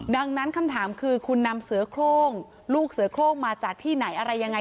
ดังนั้นคำถามคือคุณนำเสือโครงลูกเสือโครงมาจากที่ไหนอะไรยังไง